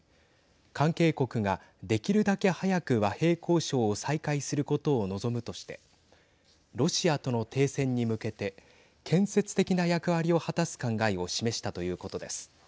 関係国ができるだけ早く和平交渉を再開することを望むとしてロシアとの停戦に向けて建設的な役割を果たす考えを示したということです。